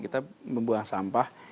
kita membuang sampah